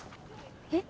え。